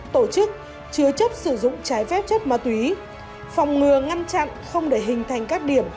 tổ chức chứa chấp sử dụng trái phép chất ma túy phòng ngừa ngăn chặn không để hình thành các điểm